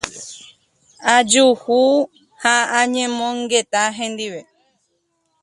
ajuhu ha añomongeta hendive.